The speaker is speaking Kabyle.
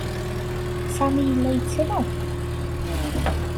Sami yella yettru.